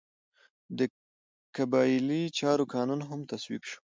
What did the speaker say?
د قبایلي چارو قانون هم تصویب شو.